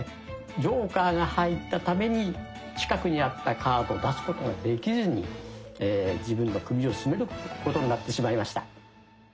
ジョーカーが入ったために近くにあったカードを出すことができずに自分の首を絞めることになってしまいました。